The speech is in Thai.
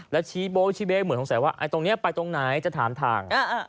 แล้วชี้โบ๊ชี้เบ๊เหมือนสงสัยว่าตรงนี้ไปตรงไหนจะถามทาง